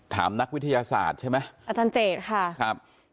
นักวิทยาศาสตร์ใช่ไหมอาจารย์เจตค่ะครับ